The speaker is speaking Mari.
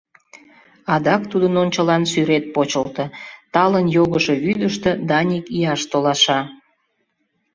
Адак тудын ончылан сӱрет почылто: талын йогышо вӱдыштӧ Даник ияш толаша.